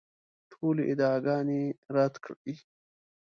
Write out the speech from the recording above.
ټولې ادعاګانې رد کړې.